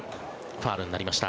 ファウルになりました。